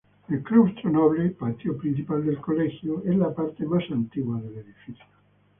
El claustro noble, patio principal del colegio, es la parte más antigua del edificio.